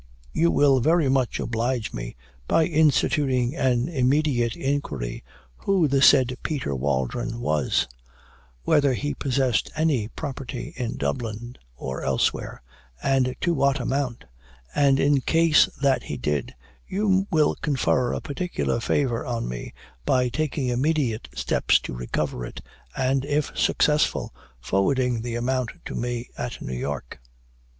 You will very much oblige me by instituting an immediate inquiry who the said Peter Waldron was; whether he possessed any property in Dublin or elsewhere, and to what amount; and in case that he did, you will confer a particular favor on me by taking immediate steps to recover it, and if successful, forwarding the amount to me at New York."